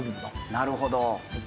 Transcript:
なるほど。